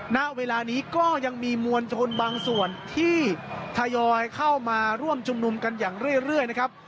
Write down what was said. ณเวลานี้ก็ยังมีมวลชนบางส่วนที่ทยอยเข้ามาร่วมชุมนุมกันอย่างเรื่อยนะครับ